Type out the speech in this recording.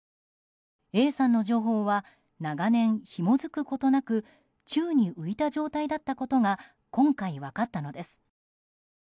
Ａさんの情報は長年ひも付くことなく宙に浮いた状態だったことが今回、分かったのです。